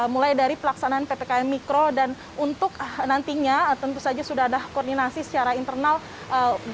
mulai dari pelaksanaan ppkm mikro dan untuk nantinya tentu saja sudah ada koordinasi secara internal